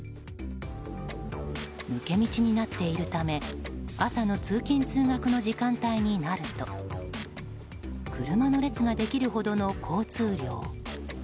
抜け道になっているため朝の通勤・通学の時間帯になると車の列ができるほどの交通量。